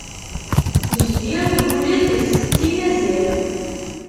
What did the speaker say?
Jeddi ilul-d, setti mazal.